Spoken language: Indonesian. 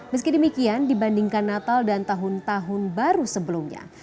meski demikian dibandingkan natal dan tahun tahun baru sebelumnya